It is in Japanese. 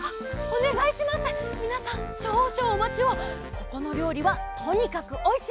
ここのりょうりはとにかくおいしい。